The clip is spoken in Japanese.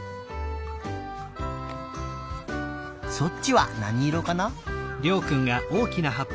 そっちはなにいろかな？